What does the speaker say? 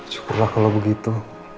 syukurlah kalo begitu